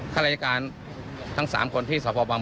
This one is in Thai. ข้ารายการทั้ง๓คนที่สพปอินทร์